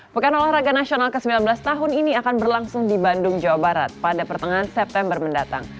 pekan olahraga nasional ke sembilan belas tahun ini akan berlangsung di bandung jawa barat pada pertengahan september mendatang